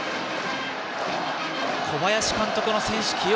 小林監督の選手起用